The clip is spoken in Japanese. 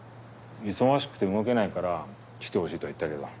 「忙しくて動けないから来てほしい」とは言ったけど。